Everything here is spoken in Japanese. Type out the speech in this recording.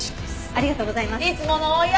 ありがとうございます。